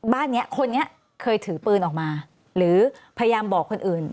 บ้านนี้คนนี้เคยถือปืนออกมาหรือพยายามบอกคนอื่น